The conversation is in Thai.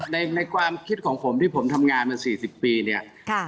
ในในความคิดของผมที่ผมทำงานมา๔๐ปีเนี่ย